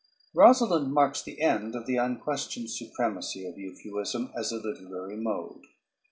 "Rosalynde" marks the end of the unquestioned supremacy of euphuism as a literary mode.